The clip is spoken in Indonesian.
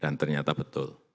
dan ternyata betul